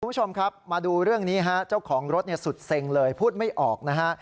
ผู้ชมครับมาดูเรื่องนี้จ้าวของรถสุดเส้นเลยพูดไม่ออกนะฮะ